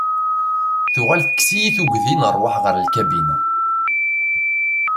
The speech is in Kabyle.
Tuɣal tekkes-iyi tuggdi n rrwaḥ ɣer lkabina.